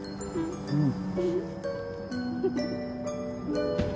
うん。